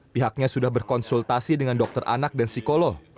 pihaknya sudah berkonsultasi dengan dokter anak dan psikolog